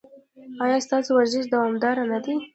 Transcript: ایا ستاسو ورزش دوامدار نه دی؟